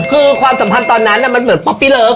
คือความสัมพันธ์ตอนนั้นมันเหมือนป๊อปปี้เลิฟ